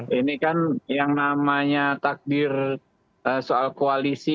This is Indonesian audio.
ini kan yang namanya takdir soal koalisi